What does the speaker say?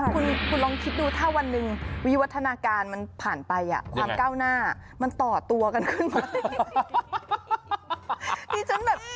คุณลองคิดดูถ้าวันหนึ่งวิวัฒนาการมันผ่านไปความก้าวหน้ามันต่อตัวกันขึ้นมา